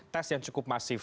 tes yang cukup masif